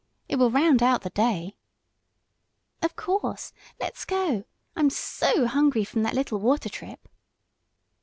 It will round out the day!" "Of course. Let's go. I'm so hungry from that little water trip!"